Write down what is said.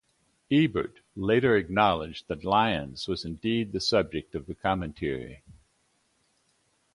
Ebert later acknowledged that Lyons was indeed the subject of the commentary.